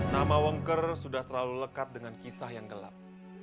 nama wongker sudah terlalu lekat dengan kisah yang gelap